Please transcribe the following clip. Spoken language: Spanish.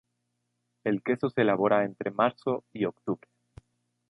El queso se elabora entre marzo y octubre.